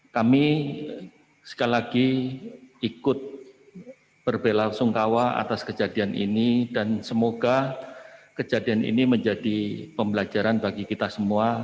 kami sekali lagi ikut berbela sungkawa atas kejadian ini dan semoga kejadian ini menjadi pembelajaran bagi kita semua